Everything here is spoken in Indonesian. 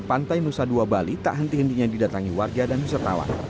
pantai nusa dua bali tak henti hentinya didatangi warga dan wisatawan